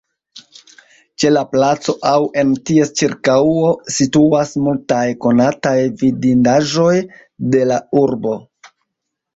Ĉe la placo aŭ en ties ĉirkaŭo situas multaj konataj vidindaĵoj de la urbo.